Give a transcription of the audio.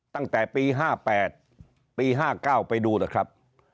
ตั้งแต่ปี๕๘ปี๕๙ไปดูนะครับ